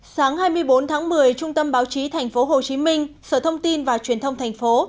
sáng hai mươi bốn tháng một mươi trung tâm báo chí thành phố hồ chí minh sở thông tin và truyền thông thành phố